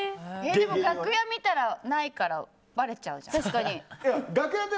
楽屋見たら、ないからばれちゃうじゃん。